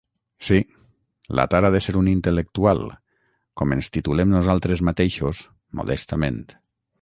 -Sí, la tara d'ésser un intel·lectual, com ens titulem nosaltres mateixos, modestament.